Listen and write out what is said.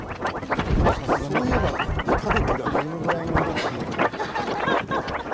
そういえばたぬきがどのぐらいなのか。